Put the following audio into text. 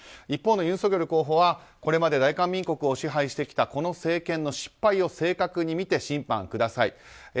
一方のユン・ソギョル候補はこれまで大韓民国を支配してきたこの政権の失敗を正確に見て審判をください。